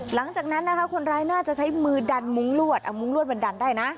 หลังจากนั้นนะคะคนร้ายน่าจะใช้มือดันมุ้งลวดเอามุ้งลวดมันดันได้นะ